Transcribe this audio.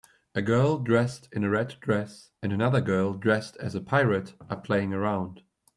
A girl dressed in a red dress and another girl dressed as a pirate are playing around.